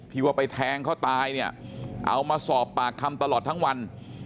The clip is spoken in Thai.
ว่าไปแทงเขาตายเนี่ยเอามาสอบปากคำตลอดทั้งวัน